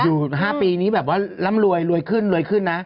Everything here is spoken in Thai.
อยู่๕ปีนี้แบบว่าร่ำรวยรวยขึ้นรวยขึ้นนะ